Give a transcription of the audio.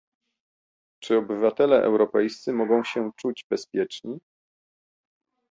Czy obywatele europejscy mogą się czuć bezpieczni?